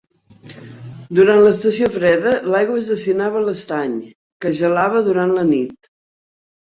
Durant l'estació freda l'aigua es destinava a l'estany, que es gelava durant la nit.